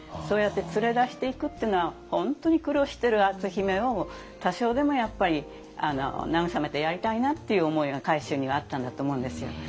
そうやって連れ出していくっていうのは本当に苦労してる篤姫を多少でもやっぱり慰めてやりたいなっていう思いが海舟にはあったんだと思うんですよ。